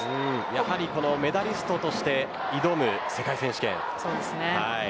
やはりメダリストとして挑む世界選手権です。